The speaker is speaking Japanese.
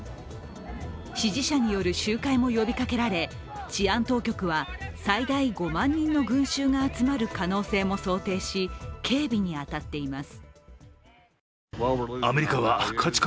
支持者による集会も呼びかけられ、治安当局は最大５万人の群衆が集まる可能性も想定し警備に当たっています。